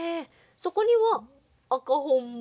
そこには赤本も？